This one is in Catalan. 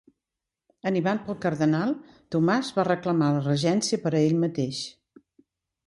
Animat pel cardenal, Tomàs va reclamar la regència per a ell mateix.